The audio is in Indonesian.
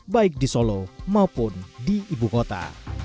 baik di solo maupun di ibu kota